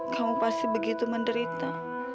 kamu pasti begitu menderita